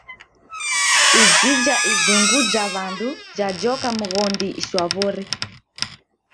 Ijija izungu ja wandu jajoka mghondi shwawori.